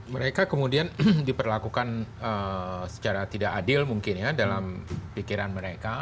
mereka kemudian diperlakukan secara tidak adil mungkin ya dalam pikiran mereka